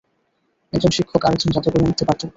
একজন শিক্ষক আর একজন জাদুকরের মধ্যে পার্থক্য।